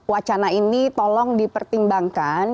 wacana ini tolong dipertimbangkan